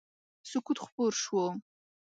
سکوت خپور شو.